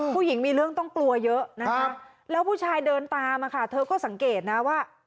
ผู้หญิงมีเรื่องต้องกลัวเยอะนะคะแล้วผู้ชายเดินตามอะค่ะเธอก็สังเกตนะว่า